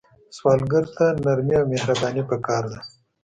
سوالګر ته نرمي او مهرباني پکار ده